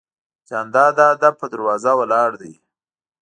جانداد د ادب په دروازه ولاړ دی.